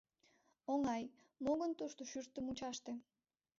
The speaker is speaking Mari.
Оҥай, мо гын тушто, шӱртӧ мучаште?